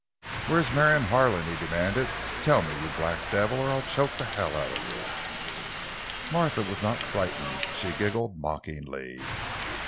"Where's Marion Harlan?" he demanded. "Tell me, you black devil, or I'll choke hell out of you!" Martha was not frightened; she giggled mockingly.